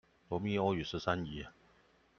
羅密歐與十三姨